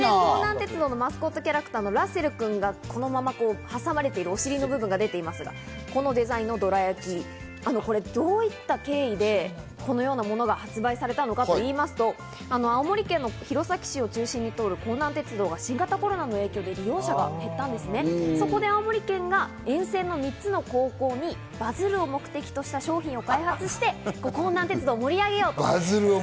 鉄道のマスコットキャラクターのラッセル君が挟まれたデザインのどら焼とか、どういった経緯でこのようなものが発売されたのかといいますと、青森県の弘前市を中心に通る弘南鉄道が新型コロナの影響で利用者が減ったんですね、そこで青森県が沿線にある３つの高校にバズるを目的とした商品を開発して、弘南鉄道を盛り上げようと。